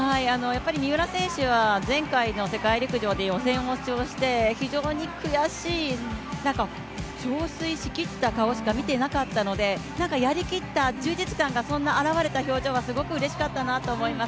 三浦選手は前回の世界陸上で予選で非常に悔しい、憔悴しきった顔しか見てなかったので、やりきった、充実感がそんな表れた表情がうれしかったと思います。